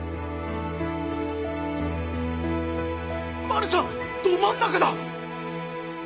まるさんど真ん中だ！